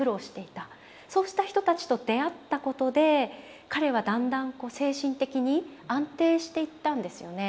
そうした人たちと出会ったことで彼はだんだん精神的に安定していったんですよね。